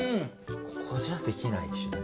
ここじゃできないでしょ？